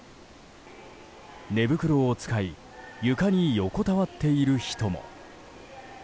寝袋を使い床に横たわっている人も。